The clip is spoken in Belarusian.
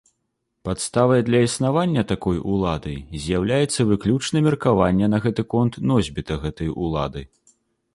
Падставай для існавання такой улады з'яўляецца выключна меркаванне на гэты конт носьбіта гэтай улады.